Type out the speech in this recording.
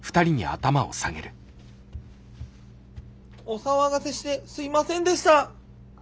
お騒がせしてすいませんでした。